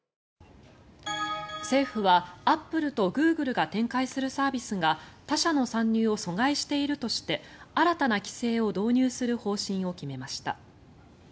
政府は、アップルとグーグルが展開するサービスが他社の参入を阻害しているとして新たな規制を導入する方針を決めました。